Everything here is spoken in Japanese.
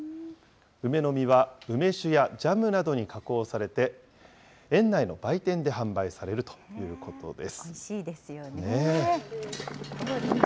梅の実は梅酒やジャムなどに加工されて、園内の売店で販売されるということです。